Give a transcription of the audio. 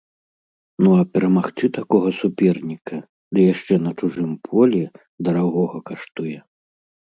Ну а перамагчы такога суперніка, ды яшчэ на чужым полі, дарагога каштуе.